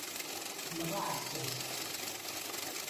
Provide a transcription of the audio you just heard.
Neɣ aɛessas.